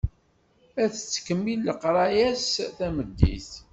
Ad tettkemmil leqraya-s tameddit.